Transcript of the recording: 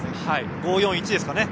５−４−１ですかね。